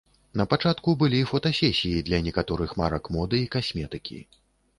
Напачатку былі фотасесіі для некаторых марак моды і касметыкі.